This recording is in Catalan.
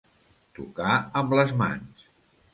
Tocar amb les mans.